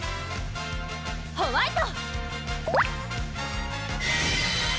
ホワイト！